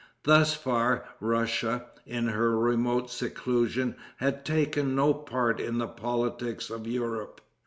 Thus far Russia, in her remote seclusion, had taken no part in the politics of Europe.